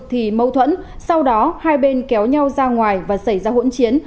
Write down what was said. thì mâu thuẫn sau đó hai bên kéo nhau ra ngoài và xảy ra hỗn chiến